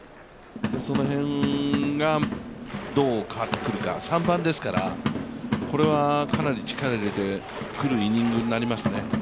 その辺がどう変わってくるか、３番ですから、これはかなり力を入れてくるイニングになりますね。